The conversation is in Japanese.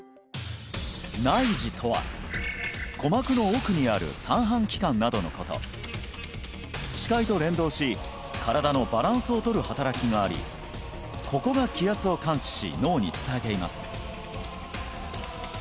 内耳とは鼓膜の奥にある三半規管などのこと視界と連動し身体のバランスを取る働きがありここが気圧を感知し脳に伝えています